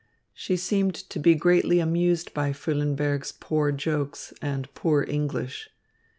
She seemed to be greatly amused by Füllenberg's poor jokes and poor English.